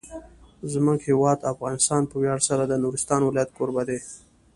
زموږ هیواد افغانستان په ویاړ سره د نورستان ولایت کوربه دی.